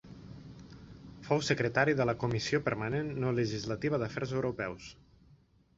Fou secretari de la Comissió Permanent no legislativa d'Afers Europeus.